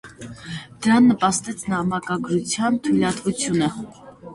Դրան նպաստեց նամակագրության թույլտվությունը։